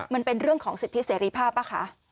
มันเป็นเรื่องของสิทธิเสรีภาพป่ะคะ